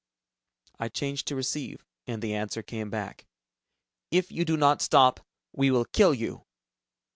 I changed to receive, and the answer came back, "If you do not stop ... we will kill you!"